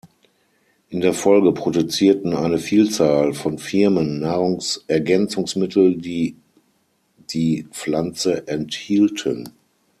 In der Folge produzierten eine Vielzahl von Firmen Nahrungsergänzungsmittel die die Pflanze enthielten.